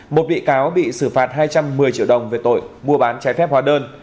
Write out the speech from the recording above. một bị cáo bị xử phạt hai trăm một mươi triệu đồng về tội mua bán trái phép hóa đơn